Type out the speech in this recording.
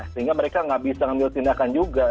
sehingga mereka nggak bisa ngambil tindakan juga